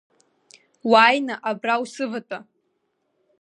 Уааины абра усыватәа.